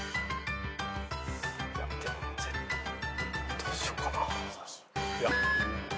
どうしようかな？